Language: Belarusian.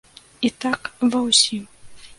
І так ва ўсім!